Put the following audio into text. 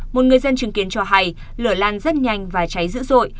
một người dân chứng kiến cho hay lửa lan rất nhanh và cháy dữ dội